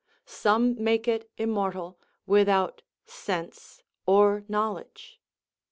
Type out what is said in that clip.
Some make it immortal, without sense or knowledge.